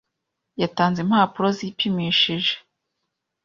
yatanze impapuro zipimishije.